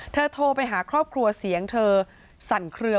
โทรไปหาครอบครัวเสียงเธอสั่นเคลือ